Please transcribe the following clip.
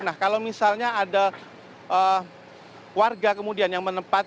nah kalau misalnya ada warga kemudian yang menempat